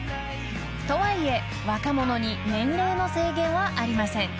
［とはいえ若者に年齢の制限はありません。